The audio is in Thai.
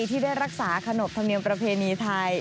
ที่ได้รักษาขนบธรรมเนียมประเพณีไทย